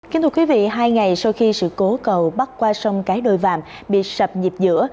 kính thưa quý vị hai ngày sau khi sự cố cầu bắt qua sông cái đôi vàm bị sập nhịp dữa